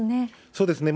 そうですね。